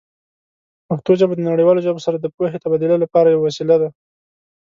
پښتو ژبه د نړیوالو ژبو سره د پوهې تبادله لپاره یوه وسیله ده.